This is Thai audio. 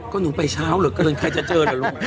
ก็หนูไปเช้าเหรอก็เลยใครจะเจอแหละลูก